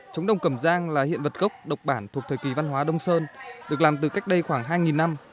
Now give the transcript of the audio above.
trống đồng cầm giang là hiện vật gốc độc bản thuộc thời kỳ văn hóa đông sơn được làm từ cách đây khoảng hai năm